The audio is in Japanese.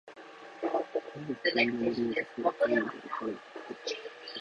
何故再び飲まれようとするのか、理由がわからなかった